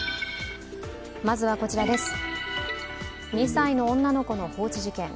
２歳の女の子の放置事件。